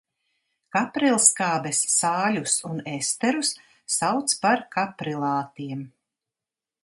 Kaprilskābes sāļus un esterus sauc par kaprilātiem.